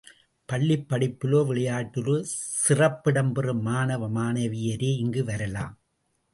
பள்ளிப் படிப்பிலோ, விளையாட்டிலோ சிறப்பிடம் பெறும் மாணவ, மாணவியரே இங்கு வரலாம்.